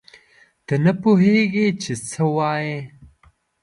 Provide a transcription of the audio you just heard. ته نه پوهېږې چې څه وایې.